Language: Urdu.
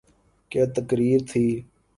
کیا تقریر تھی۔